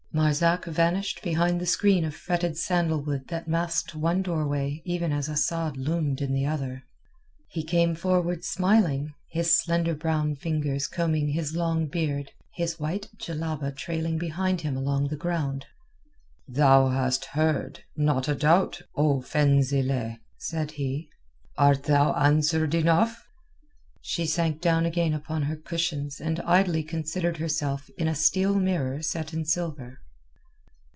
Marzak vanished behind the screen of fretted sandalwood that masked one doorway even as Asad loomed in the other. He came forward smiling, his slender brown fingers combing his long beard, his white djellaba trailing behind him along the ground. "Thou hast heard, not a doubt, O Fenzileh," said he. "Art thou answered enough?" She sank down again upon her cushions and idly considered herself in a steel mirror set in silver.